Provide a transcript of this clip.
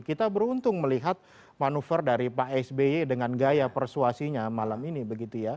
kita beruntung melihat manuver dari pak sby dengan gaya persuasinya malam ini begitu ya